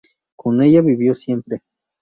Con ella vivió siempre.